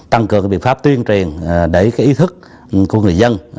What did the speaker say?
tăng cường cái biện pháp tuyên truyền để cái ý thức của người dân